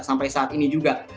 sampai saat ini juga